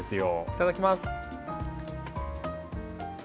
いただきます。